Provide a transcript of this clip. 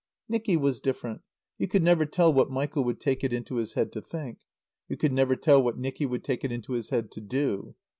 Nicky was different. You could never tell what Michael would take it into his head to think. You could never tell what Nicky would take it into his head to do.